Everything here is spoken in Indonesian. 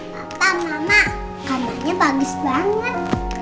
papa mama kamarnya bagus banget